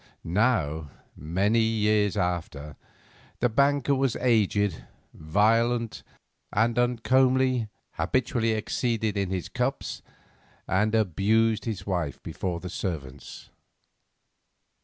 Now, many years after, the banker was aged, violent, and uncomely, habitually exceeded in his cups, and abused his wife before the servants.